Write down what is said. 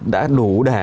đã đủ để